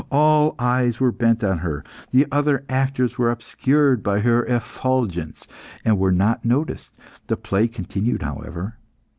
All eyes were bent on her; the other actors were obscured by her effulgence, and were not noticed. The play continued, however.